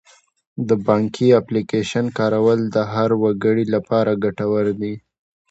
د بانکي اپلیکیشن کارول د هر وګړي لپاره ګټور دي.